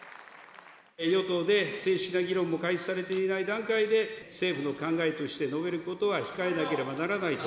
与党で正式な議論も開始されていない段階で、政府の考えとして述べることは控えなければならないと。